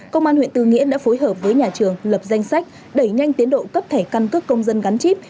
công an huyện tư nghĩa đã phối hợp với nhà trường lập danh sách đẩy nhanh tiến độ cấp thẻ căn cước công dân gắn chip